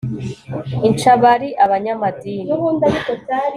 inca bari abanyamadini